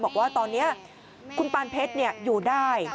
บอกว่าตอนนี้คุณปานเพชรอยู่ได้